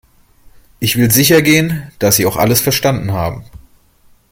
Ich will sicher gehen, dass Sie auch alles verstanden haben.